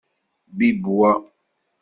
Bibb wa.